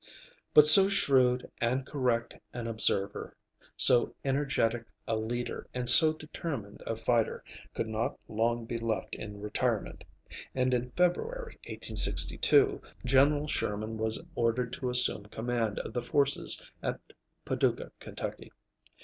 But so shrewd and correct an observer, so energetic a leader, and so determined a fighter, could not long be left in retirement, and in February, 1862, General Sherman was ordered to assume command of the forces at Paducah, Ky.